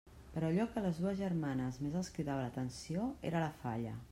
Però allò que a les dues germanes més els cridava l'atenció era la falla.